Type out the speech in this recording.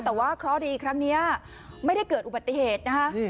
แต่ว่าเคราะห์ดีครั้งนี้ไม่ได้เกิดอุบัติเหตุนะคะ